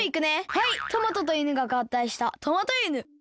はいトマトといぬががったいしたトマトいぬ。